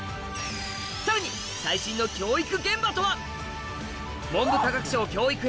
さらに最新の教育現場とは？